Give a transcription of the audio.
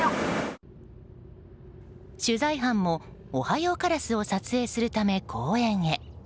取材班も、おはようカラスを撮影するため公園へ。